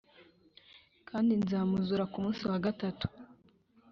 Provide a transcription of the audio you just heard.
Kandi nzamuzura ku munsi wa gatatu